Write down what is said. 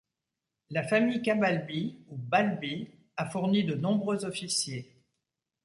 La famille Cabalbi, ou Balbi, a fourni de nombreux officiers.